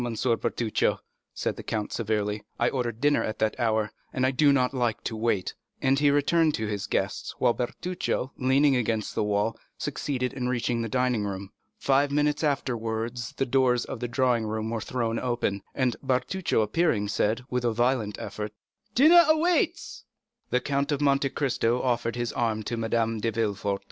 Bertuccio," said the count severely; "I ordered dinner at that hour, and I do not like to wait;" and he returned to his guests, while Bertuccio, leaning against the wall, succeeded in reaching the dining room. Five minutes afterwards the doors of the drawing room were thrown open, and Bertuccio appearing said, with a violent effort, "The dinner waits." The Count of Monte Cristo offered his arm to Madame de Villefort.